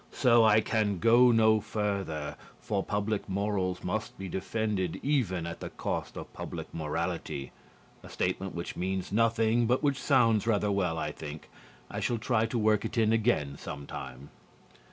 So I can go no further, for public morals must be defended even at the cost of public morality (a statement which means nothing but which sounds rather well, I think. I shall try to work it in again some time).